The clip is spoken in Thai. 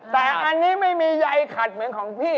แต่อันนี้ไม่มีใยขัดเหมือนของพี่